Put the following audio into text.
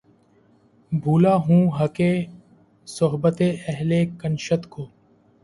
بھولا ہوں حقِ صحبتِ اہلِ کنشت کو